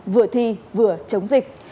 vừa thi vừa chống dịch